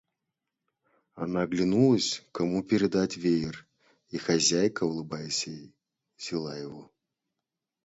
Она оглянулась, кому передать веер, и хозяйка, улыбаясь ей, взяла его.